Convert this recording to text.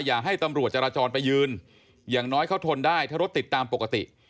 อย่าให้ตำรวจจราจรไปยืนอย่างน้อยเขาทนได้ถ้ารถติดตามปกติ